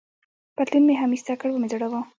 پتلون مې هم ایسته کړ، و مې ځړاوه.